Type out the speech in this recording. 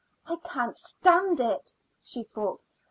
"I can't stand it," she thought.